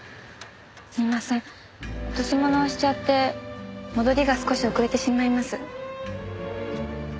すみません落とし物をしちゃって戻りが少し遅れてしまいます。